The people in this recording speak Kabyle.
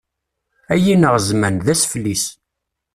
Ay ineɣ zman, d asfel-is.